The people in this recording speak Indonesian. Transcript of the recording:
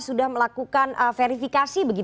sudah melakukan verifikasi